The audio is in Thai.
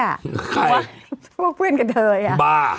ข้อบบพวกเพื่อนกับเธอย่างบ้า